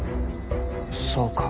そうか。